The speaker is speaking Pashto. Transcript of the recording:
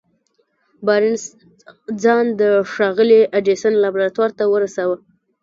بارنس ځان د ښاغلي ايډېسن لابراتوار ته ورساوه.